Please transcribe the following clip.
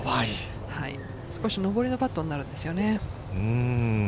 少し上りのパットになるんですよね。